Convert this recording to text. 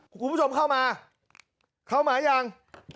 คุณผู้ชมเข้ามาเข้ามายัง